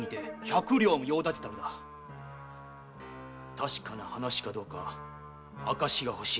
確かな話かどうか証しが欲しい。